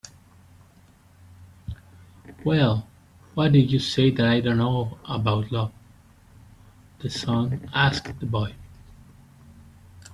"Well, why did you say that I don't know about love?" the sun asked the boy.